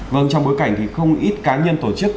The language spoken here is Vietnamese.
vâng trong bối cảnh thì không ít cá nhân tổ chức